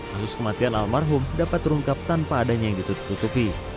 kasus kematian almarhum dapat terungkap tanpa adanya yang ditutupi